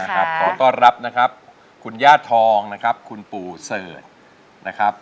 ขอต้อนรับนะครับคุณย่าทองนะครับคุณปู่เสิร์ชนะครับ